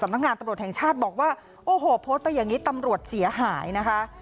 นักงานตำรวจแห่งชาติบอกว่าโอ้โหโพสต์ไปอย่างนี้ตำรวจเสียหายนะคะ